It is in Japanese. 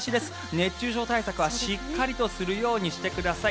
熱中症対策はしっかりとするようにしてください。